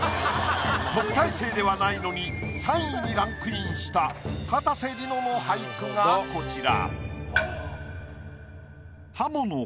特待生ではないのに３位にランクインしたかたせ梨乃の俳句がこちら。